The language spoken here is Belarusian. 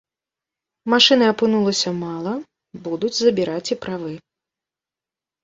Машыны апынулася мала, будуць забіраць і правы.